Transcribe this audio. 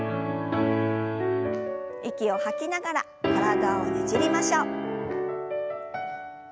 息を吐きながら体をねじりましょう。